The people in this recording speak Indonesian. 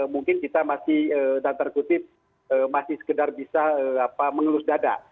mungkin kita masih tanpa terkutip masih sekedar bisa mengelus dada